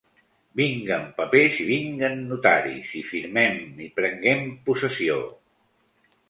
Vinguen papers i vinguen notaris, i firmem, i prenguem possessió